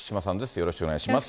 よろしくお願いします。